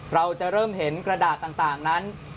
เราจะเริ่มเห็นกระดาษต่างนั้น